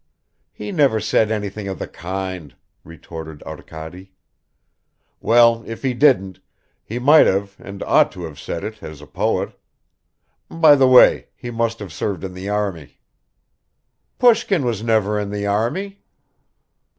"He never said anything of the kind," retorted Arkady. "Well, if he didn't, he might have and ought to have said it as a poet. By the way, he must have served in the army." "Pushkin was never in the army!"